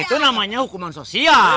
itu namanya hukuman sosial